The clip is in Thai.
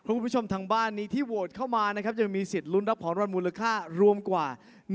คุณผู้ชมทางบ้านนี้ที่โหวตเข้ามานะครับยังมีสิทธิ์ลุ้นรับของรางวัลมูลค่ารวมกว่า